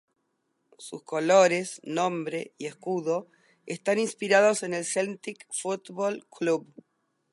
Sus colores, nombre y escudo están inspirados en el Celtic Football Club.